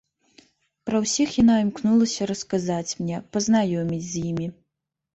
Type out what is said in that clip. Пра ўсіх яна імкнулася расказаць мне, пазнаёміць з імі.